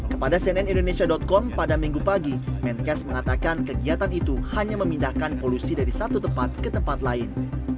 kepada cnn indonesia com pada minggu pagi menkes mengatakan kegiatan itu hanya memindahkan polusi dari satu tempat ke tempat lain